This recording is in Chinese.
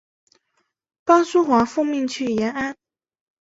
巴苏华奉命去延安。